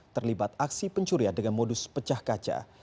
terlibat aksi pencurian dengan modus pecah kaca